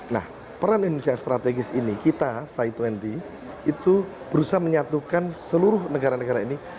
nah peran indonesia strategis ini kita saitwenti itu berusaha menyatukan seluruh negara negara ini